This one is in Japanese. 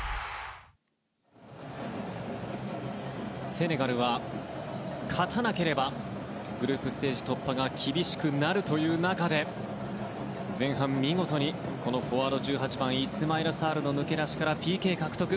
セネガルは勝たなければグループステージ突破が厳しくなるという中で前半見事にフォワードの１８番イスマイラ・サールの抜け出しからＰＫ獲得。